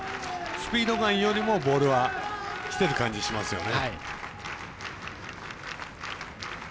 スピード感よりもボールがきてるような感じしますよね。